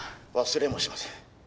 「忘れもしません」